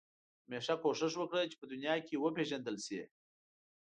همېشه کوښښ وکړه چې په دنیا کې وپېژندل شې.